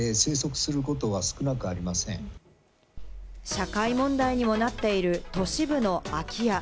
社会問題にもなっている都市部の空き家。